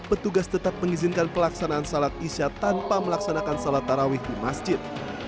petugas tetap mengizinkan pelaksanaan salat isya tanpa melaksanakan sholat tarawih di masjid